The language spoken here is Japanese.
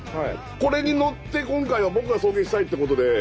これに乗って今回は僕が送迎したいってことで。